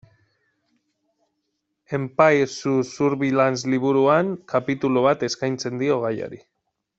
Empire sous Surveillance liburuan kapitulu bat eskaintzen dio gaiari.